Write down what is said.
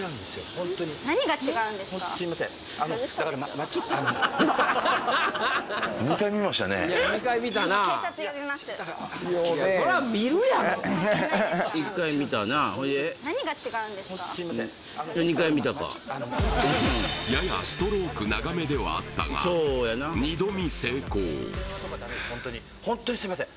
ホントすいませんややストローク長めではあったがホントにすいません